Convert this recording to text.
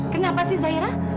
kenapa sih zahira